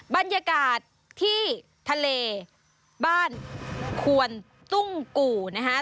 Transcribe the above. บรรยากาศที่ทะเลบ้านควนตุ้งกู่นะฮะ